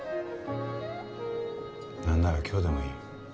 なんなら今日でもいい。